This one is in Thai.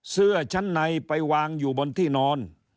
เสื้อชั้นในไปวางอยู่บนที่นอน